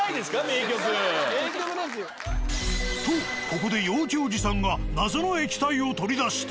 名曲ですよ。とここで陽気おじさんが謎の液体を取り出した。